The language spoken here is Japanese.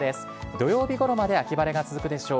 土曜日ごろまで秋晴れが続くでしょう。